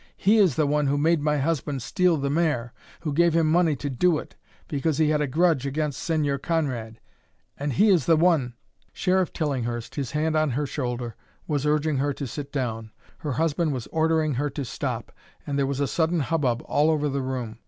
He is the one who made my husband steal the mare, who gave him money to do it, because he had a grudge against Señor Conrad; and he is the one " Sheriff Tillinghurst, his hand on her shoulder, was urging her to sit down, her husband was ordering her to stop, and there was a sudden hubbub all over the room.